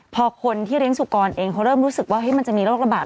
พอคนที่เลี้ยงสุกรเองเขาเริ่มรู้สึกว่ามันจะมีโรคระบาด